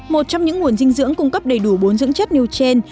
một trong những nguồn dinh dưỡng cung cấp đầy đủ bốn dưỡng chất nêu trên